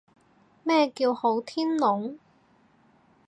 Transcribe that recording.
咩叫好天龍？